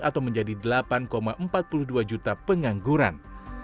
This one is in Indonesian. atau menjadi delapan empat puluh dua juta pengangguran